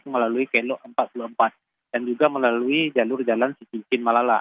melalui kelo empat puluh empat dan juga melalui jalur jalan cicicin malala